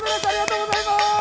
ありがとうございます！